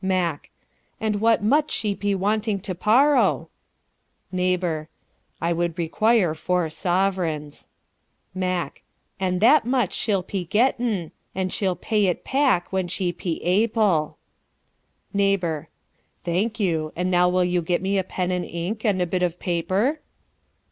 "Mack: 'And what much she pe wantin' to porrow?' "Neighbor: 'I would require four sovereigns.' "Mack: 'And that much she'll pe gettin', and she'll pey it paack when she pe aaple.' "Neighbor: 'Thank you, and now will you get me a pen and ink and a bit of paper?'